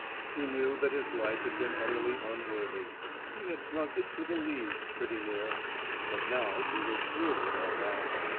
He knew that his life had been utterly unworthy. He had drunk it to the lees, pretty near. But now he was through with all that.